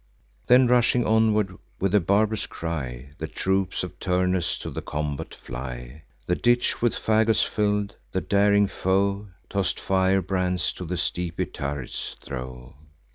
Then rushing onward with a barb'rous cry, The troops of Turnus to the combat fly. The ditch with fagots fill'd, the daring foe Toss'd firebrands to the steepy turrets throw.